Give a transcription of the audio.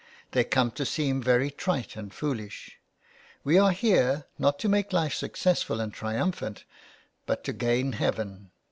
They come to seem very trite and foolish. We are here, not to make life successful and triumphant, but to gain heaven.